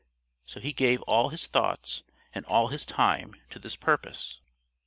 So he gave all his thoughts and all his time to this purpose.